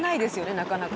なかなか。